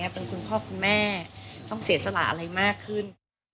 เป็นคุณพ่อคุณแม่ต้องเสียสละอะไรมากขึ้น